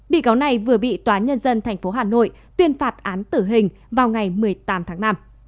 bị cáo này vừa bị tòa nhân dân tp hà nội tuyên phạt án tử hình vào ngày một mươi tám tháng năm